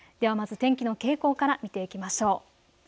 天気の傾向から見ていきましょう。